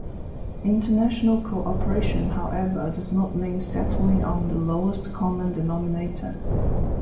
International cooperation, however, does not mean settling on the lowest common denominator.